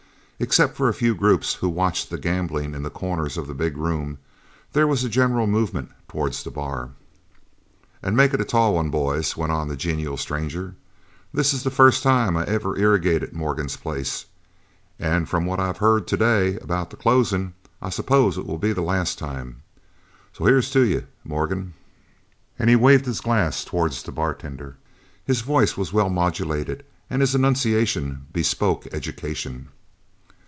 Except for a few groups who watched the gambling in the corners of the big room, there was a general movement towards the bar. "And make it a tall one, boys," went on the genial stranger. "This is the first time I ever irrigated Morgan's place, and from what I have heard today about the closing I suppose it will be the last time. So here's to you, Morgan!" And he waved his glass towards the bartender. His voice was well modulated and his enunciation bespoke education.